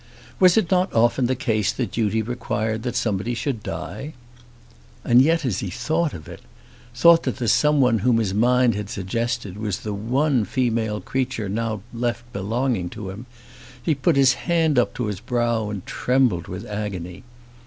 Was it not often the case that duty required that someone should die? And yet as he thought of it, thought that the someone whom his mind had suggested was the one female creature now left belonging to him, he put his hand up to his brow and trembled with agony.